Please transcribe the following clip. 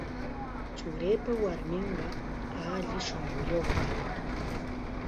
Churiipa warminqa alli shunquyuqmi.